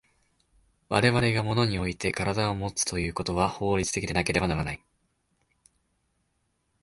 我々が物において身体をもつということは法律的でなければならない。